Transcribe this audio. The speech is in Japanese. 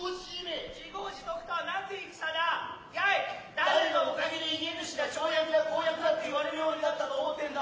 誰のおかげで家主だ町役だこう薬だって言われるようになったと思ってるんだ。